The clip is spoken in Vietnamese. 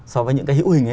so với những cái hữu hình